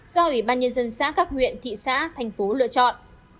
do ủy ban nhân dân xã các huyện thị xã thành phố lựa chọn